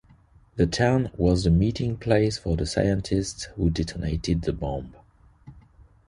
The town was the meeting place for the scientists who detonated the bomb.